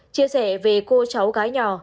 chia sẻ về cô cháu gái nhỏ